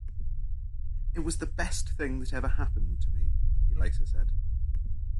"It was the best thing that ever happened to me", he later said.